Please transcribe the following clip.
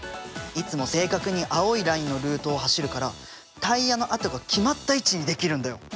いつも正確に青いラインのルートを走るからタイヤの跡が決まった位置に出来るんだよ！